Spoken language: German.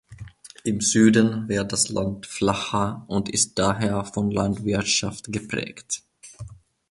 Im Süden wird das Land flacher und ist daher von Landwirtschaft geprägt.